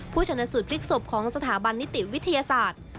ชนสูตรพลิกศพของสถาบันนิติวิทยาศาสตร์